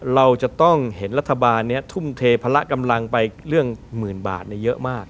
เราจะต้องเห็นรัฐบาลนี้ทุ่มเทพละกำลังไปเรื่องหมื่นบาทเยอะมาก